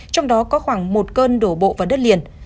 trong đó có khoảng một cơn đổ bộ vào đất liền